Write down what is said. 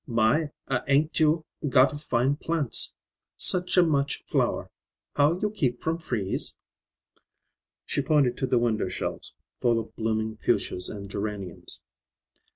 "My, a an't you gotta fine plants; such a much flower. How you keep from freeze?" She pointed to the window shelves, full of blooming fuchsias and geraniums.